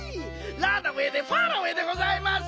ランナウェイでファラウェイでございます。